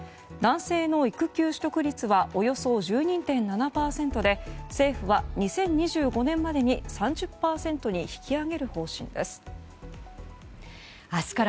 男性の育休取得率はおよそ１２．７％で政府は２０２５年までに３０％に引き上げる方針です。